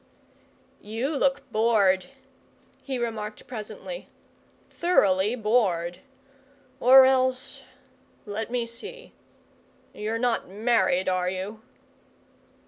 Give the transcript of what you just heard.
"You look bored," he remarked presently; "thoroughly bored. Or else let me see; you're not married, are you?"